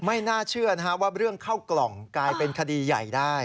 ไม่น่าเชื่อว่าเรื่องเข้ากล่องกลายเป็นคดีใหญ่ได้